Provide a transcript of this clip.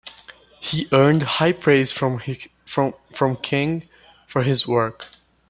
He earned high praise from King for his work.